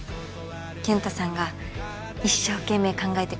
健太さんが一生懸命考えてくれた名前です。